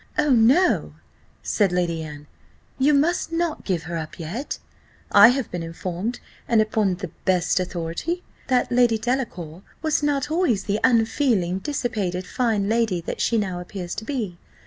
"Oh, no," said Lady Anne, "you must not give her up yet, I have been informed, and upon the best authority, that Lady Delacour was not always the unfeeling, dissipated fine lady that she now appears to be.